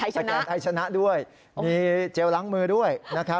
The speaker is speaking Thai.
สแกนไทยชนะด้วยมีเจลล้างมือด้วย